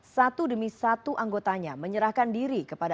satu demi satu anggotanya menyerahkan diri kepada